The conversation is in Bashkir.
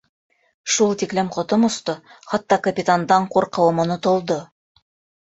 Шул тиклем ҡотом осто, хатта капитандан ҡурҡыуым онотолдо.